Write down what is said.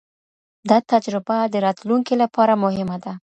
دا تجربه د راتلونکې لپاره مهمه ده.